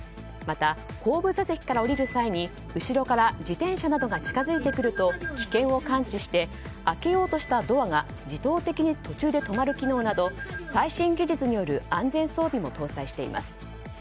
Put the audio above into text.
また、後部座席から降りる際に後ろから自転車などが近づいてくると危険を感知して開けようとしたドアが自動的に途中で止まる機能など最新技術による安全装備も搭載しています。